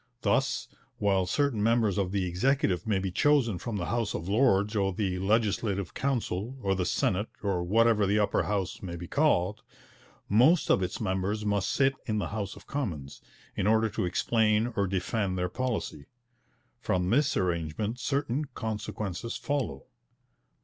Thus, while certain members of the Executive may be chosen from the House of Lords or the Legislative Council or the Senate or whatever the Upper House may be called, most of its members must sit in the House of Commons, in order to explain or defend their policy. From this arrangement certain consequences follow.